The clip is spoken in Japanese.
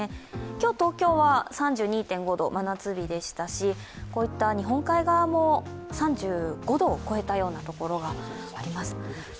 今日、東京は３２．５度、真夏日でしたし、こういった日本海側も３５度を超えたようなところがあります。